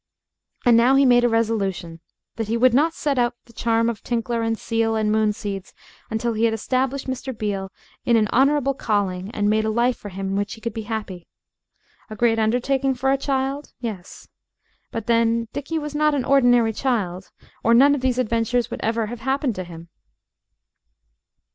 And now he made a resolution that he would not set out the charm of Tinkler and seal and moon seeds until he had established Mr. Beale in an honorable calling and made a life for him in which he could be happy. A great undertaking for a child? Yes. But then Dickie was not an ordinary child, or none of these adventures would ever have happened to him.